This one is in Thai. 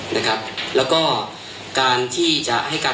หลอกลวงเลยนะครับ